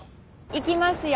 いきますよ。